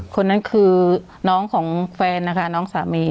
คนนั้นคือน้องของแฟนนะคะน้องสามี